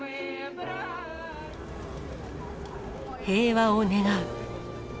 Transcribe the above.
平和を願う。